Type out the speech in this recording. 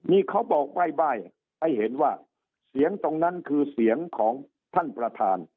นี่เขาบอกใบ้ให้เห็นว่าเสียงตรงนั้นคือเสียงของท่านประธาน